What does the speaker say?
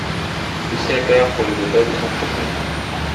Lucien Carr, pour les détails de son procès.